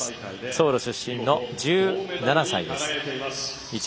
ソウル出身の１７歳です。